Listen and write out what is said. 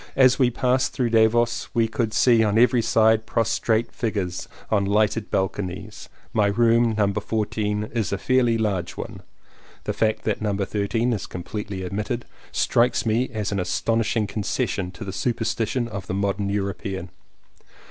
As we passed through Davos we could see on every side prostrate figures on lighted balconies. My room, No. 14, is a fairly large one. (The fact that No. 13 is completely omitted strikes me as an astonishing concession to the superstition of the modern European.)